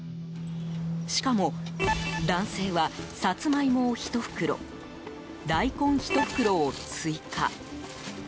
しかも男性はサツマイモを１袋大根１袋を追加。